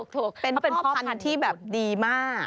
ถูกเป็นพ่อพันธุ์ที่แบบดีมาก